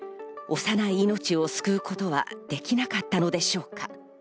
幼い命を救うことはできなかったのでしょうか。